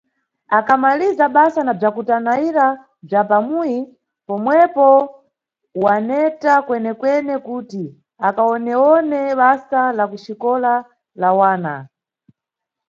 Akamaliza basa na bzwakutanayira bzwa pamuyi, pomwepo waneta kwenekwene kuti akawonewone basa la ku xikola la wana.